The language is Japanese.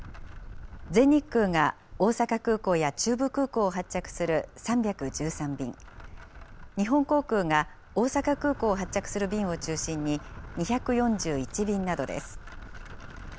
全日空が大阪空港や中部空港を発着する３１３便、日本航空が大阪空港を発着する便を中心に２４１便などです。